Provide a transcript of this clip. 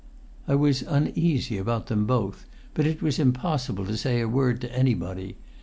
I was uneasy about them both; but it was impossible to say a word to anybody.